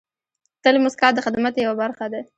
تل موسکا د خدمت یوه برخه ده.